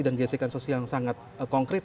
dan gesekan sosial yang sangat konkret